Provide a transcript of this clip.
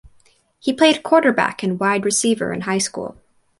He played quarterback and wide receiver in high school.